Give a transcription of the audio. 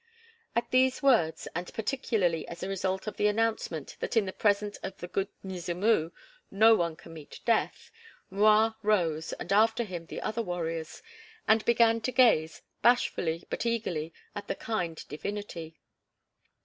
At these words, and particularly as a result of the announcement that in the presence of the "Good Mzimu" no one can meet death, M'Rua rose, and after him the other warriors, and began to gaze, bashfully but eagerly at the kind divinity.